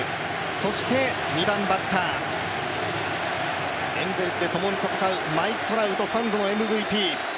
そして２番バッター、エンゼルスでともに戦うマイク・トラウト３度のＭＶＰ。